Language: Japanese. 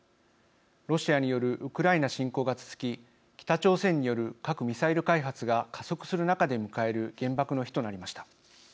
ロシアによるウクライナ侵攻が続き北朝鮮による核ミサイル開発が加速する中で迎える原爆の日となりました。